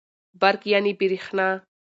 برق √ بريښنا